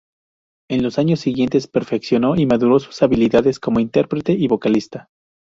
En los años siguientes, perfeccionó y maduró sus habilidades como interprete y vocalista.